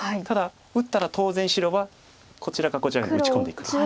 ただ打ったら当然白はこちらかこちらに打ち込んでいく。